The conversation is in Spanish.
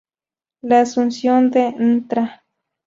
La Asunción de Ntra.